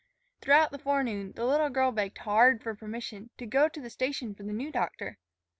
Throughout the forenoon the little girl begged hard for permission to go to the station for the new doctor.